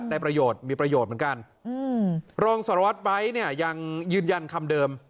ได้ประโยชน์มีประโยชน์เหมือนกันรองสารวัตรไบท์เนี่ยยังยืนยันคำเดิม